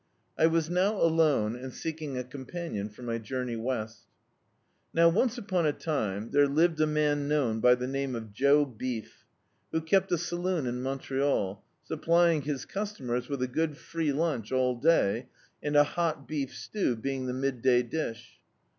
I was nov alone, and seeking a companion for my journey wesL Now, once upon a time, there lived a man known by the name of Joe Beef, who kept a saloon in Montreal, supplying his customeis with a good free lunch all day, and a hot beef stew being the mid day dish.